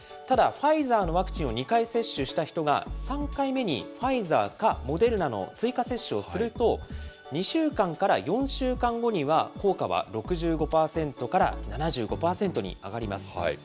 ただ、ファイザーのワクチンを２回接種した人が３回目にファイザーかモデルナの追加接種をすると、２週間から４週間後には効果は６５％から７５％に上がります。